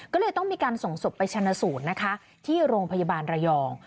ก็เลยต้องมีการส่งศพไปชนะสูตรนะคะที่โรงพยาบาลระยอง